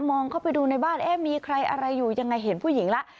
มองเข้าไปดูในบ้านเอ๊ะมีใครอะไรอยู่ยังไงเห็นผู้หญิงแล้ว